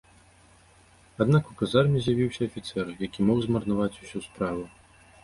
Аднак, у казарме з'явіўся афіцэр, які мог змарнаваць усю справу.